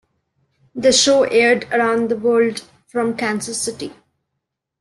The show aired around the world from Kansas City.